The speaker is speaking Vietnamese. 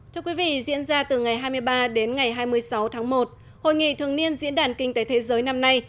thưa quý vị diễn ra từ ngày hai mươi ba đến ngày hai mươi sáu tháng một hội nghị thường niên diễn đàn kinh tế thế giới năm nay